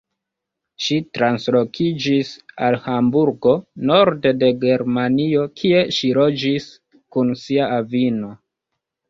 Ŝi translokiĝis al Hamburgo, norde de Germanio, kie ŝi loĝis kun sia avino.